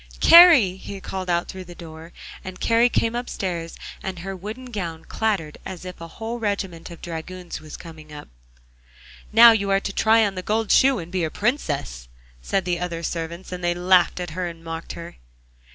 'Kari!' he called out through the door, and Kari came upstairs, and her wooden gown clattered as if a whole regiment of dragoons were coming up. 'Now, you are to try on the gold shoe and be a Princess,' said the other servants, and they laughed at her and mocked her.